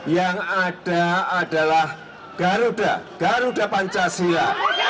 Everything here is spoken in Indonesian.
yang ada adalah garuda garuda pancasila